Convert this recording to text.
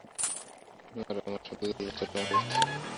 আর আমার সদ্যোজাত বাচ্চা টা মারা গেছে।